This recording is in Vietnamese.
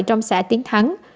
trong xã tiến thắng